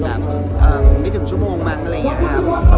อย่างไม่ถึงชั่วโมงเลยอะ